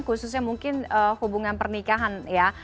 khususnya mungkin hubungan pernikahan ya